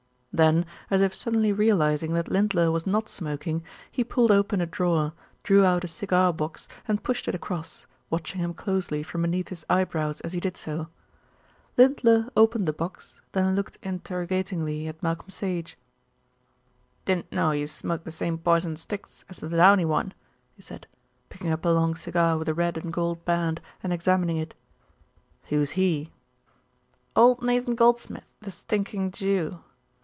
Then, as if suddenly realising that Lindler was not smoking, he pulled open a drawer, drew out a cigar box, and pushed it across, watching him closely from beneath his eyebrows as he did so. Lindler opened the box, then looked interrogatingly at Malcolm Sage. "Didn't know you smoked the same poison sticks as the 'Downy One,'" he said, picking up a long cigar with a red and gold band, and examining it. "Who's he?" "Old Nathan Goldschmidt, the stinking Jew."